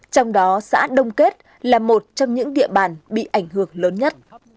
trong đó xã đông kết là một trong những địa bàn bị ảnh hưởng lớn nhất